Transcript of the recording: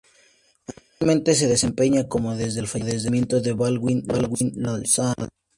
Actualmente se desempeña como desde el fallecimiento de Baldwin Lonsdale.